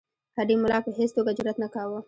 هډې ملا په هیڅ توګه جرأت نه کاوه.